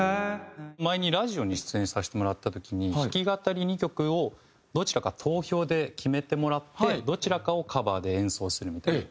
前にラジオに出演させてもらった時に弾き語り２曲をどちらか投票で決めてもらってどちらかをカバーで演奏するみたいな。